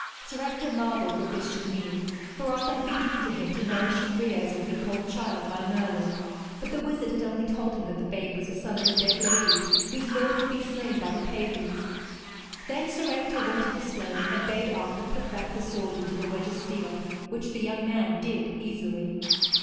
Sir Ector marvelled what this should mean; for Arthur had been given to him to nourish and rear as a week old child by Merlin, but the wizard had only told him that the babe was a son of a dead lady, whose lord had been slain by the pagans. Then Sir Ector went to the stone and bade Arthur put back the sword into the wedge of steel, which the young man did easily.